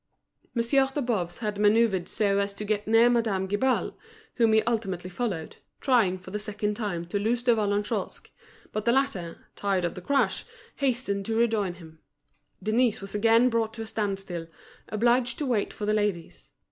Monsieur de Boves had manoeuvred so as to get near Madame Guibal, whom he ultimately followed, trying for the second time to lose De Vallagnosc; but the latter, tired of the crush, hastened to rejoin him. Denise was again brought to a standstill, obliged to wait for the ladies.